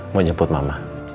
mau jemput mama